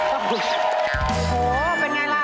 โอ้โฮเป็นอย่างไรล่ะ